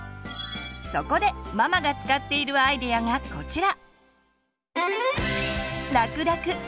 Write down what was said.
そこでママが使っているアイデアがこちら！